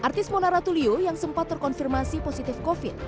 artis mona ratulio yang sempat terkonfirmasi positif covid